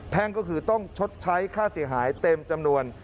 ก็คือต้องชดใช้ค่าเสียหายเต็มจำนวน